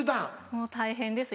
もう大変です